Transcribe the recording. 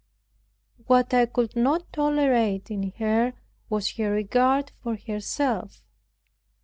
What I could not tolerate in her was her regard for herself.